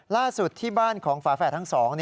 ล่าสุดที่บ้านของฝาแฝดทั้งสอง